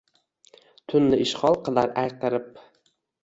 Tunni ishgʼol qilar ayqirib.